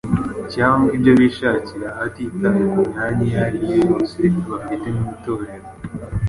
cyangwa ibyo bishakira, hatitawe ku myanya iyo ari yo yose bafite mu Itorero.